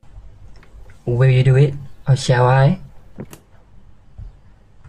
Will you do it, or shall I?